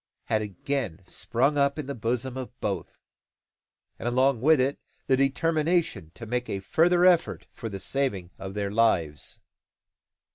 had again sprung up in the bosom of both; and, along with it the determination to make a further effort for the saving of their lives.